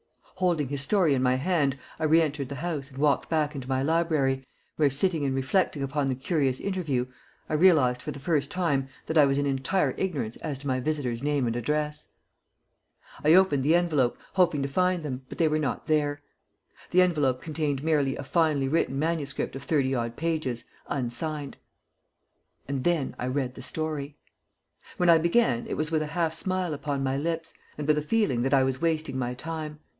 Holding his story in my hand, I re entered the house and walked back into my library, where, sitting and reflecting upon the curious interview, I realized for the first time that I was in entire ignorance as to my visitor's name and address. [Illustration: "THE DEMON VANISHED"] I opened the envelope hoping to find them, but they were not there. The envelope contained merely a finely written manuscript of thirty odd pages, unsigned. And then I read the story. When I began it was with a half smile upon my lips, and with a feeling that I was wasting my time.